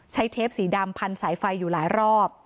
เทปสีดำพันสายไฟอยู่หลายรอบ